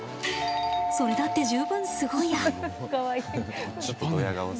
それだって十分すごいや。